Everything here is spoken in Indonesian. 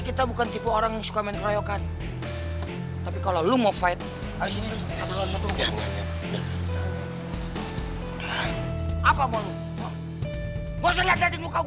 yang mukanya pucet kayak mayat itu kan